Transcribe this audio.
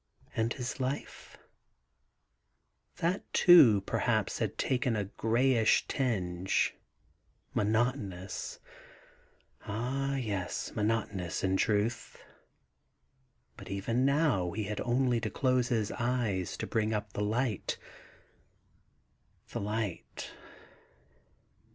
... And his life ?— that too, perhaps, had taken a greyish tinge. ... Monotonous ?... ah yes, monotonous in truth: but even now he had only to close his eyes to bring up the Kght the Ught.